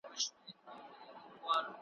موږ قسم اخلو چي د هغه خير خواهان يو.